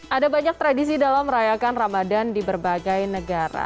ada banyak tradisi dalam merayakan ramadan di berbagai negara